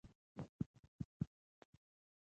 یوه پیسه هم زیاته نه